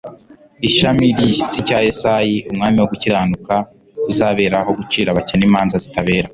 ishami ry'igishyitsi cya Yesayi Umwami wo gukiranuka uzaberaho "gucira abakene imanza zitabera,